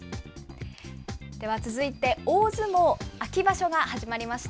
では続いて、大相撲秋場所が始まりました。